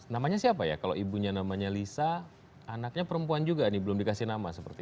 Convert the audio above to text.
namanya siapa ya kalau ibunya namanya lisa anaknya perempuan juga nih belum dikasih nama seperti itu